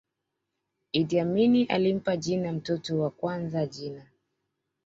iddi amini alimpa jina mtoto wa kwanza jina